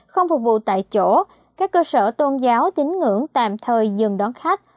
không phục vụ tại chỗ các cơ sở tôn giáo chính ngưỡng tạm thời dừng đón khách